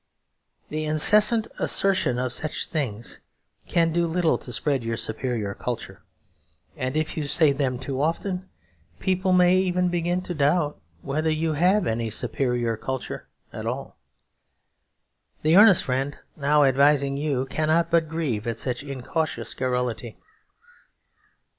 The incessant assertion of such things can do little to spread your superior culture; and if you say them too often people may even begin to doubt whether you have any superior culture after all. The earnest friend now advising you cannot but grieve at such incautious garrulity.